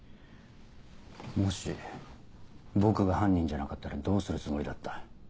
もし僕が犯人じゃなかったらどうするつもりだった？